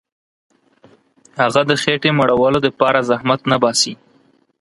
هغه د خېټي مړولو دپاره زحمت نه باسي.